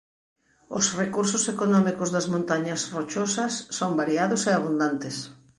Os recursos económicos das Montañas Rochosas son variados e abundantes.